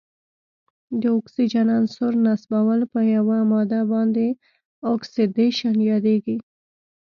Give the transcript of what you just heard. د اکسیجن عنصر نصبول په یوه ماده باندې اکسیدیشن یادیږي.